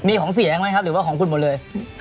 มีของเสียงไหมครับหรือว่าของคุณหมดเลย